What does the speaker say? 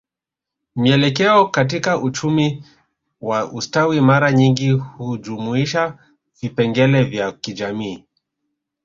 Mielekeo katika uchumi wa ustawi mara nyingi hujumuisha vipengele vya kijamii